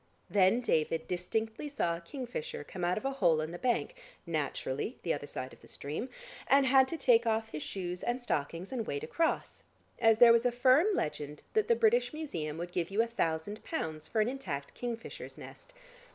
Then David distinctly saw a kingfisher come out of a hole in the bank (naturally the other side of the stream) and had to take off his shoes and stockings and wade across, as there was a firm legend that the British Museum would give you a thousand pounds for an intact kingfisher's nest.